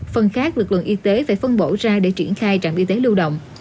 phần khác lực lượng y tế phải phân bổ ra để triển khai trạm y tế lưu động